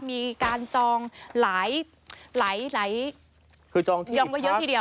มีการจองหลายย้ำกว่าเยอะที่เดียว